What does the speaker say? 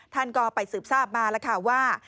ท่านก็ไปสืบทราบมาแล้วค่ะว่า